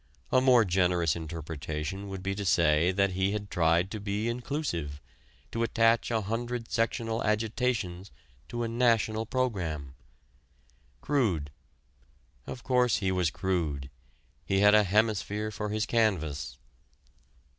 A more generous interpretation would be to say that he had tried to be inclusive, to attach a hundred sectional agitations to a national program. Crude: of course he was crude; he had a hemisphere for his canvas.